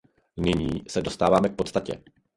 Nyní se dostávám k podstatě.